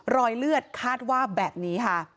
รอยเลือดคาดว่าแบบนี้ค่ะ